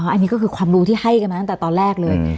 อันนี้ก็คือความรู้ที่ให้กันมาตั้งแต่ตอนแรกเลย